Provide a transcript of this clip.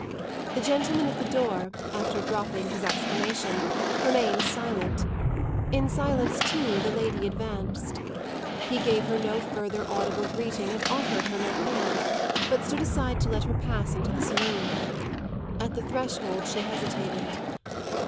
The gentleman at the door, after dropping his exclamation, remained silent; in silence too the lady advanced. He gave her no further audible greeting and offered her no hand, but stood aside to let her pass into the saloon. At the threshold she hesitated.